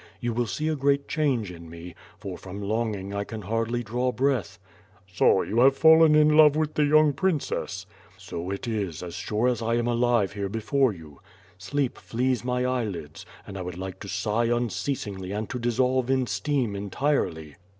You will see a great change in me; for from longing I can hardly draw breath." "So you have fallen in love with the young princess/^ 62 WITH FIRE AND HWORD, "So it is, as sure as I am alive here before you. Sleep flees my eyelids, and I would like to sigh unceasingly and to dissolve in steam entirely.